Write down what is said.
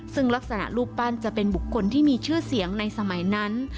ซึ่งลักษณะรูปปั้นจะเป็นบุคคลที่มีชื่อเสียงในสมัยนั้น